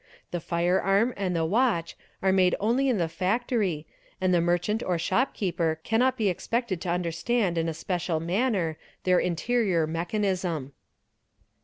The firearm ar the watch are made only in the factory and the merchant or shop keepe cannot be expected to understand in a special. manner their interi mechanism.